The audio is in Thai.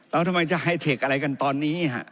แล้วทำไมจะไฮเทคอะไรกันตอนนี้